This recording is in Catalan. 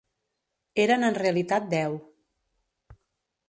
Eren en realitat deu.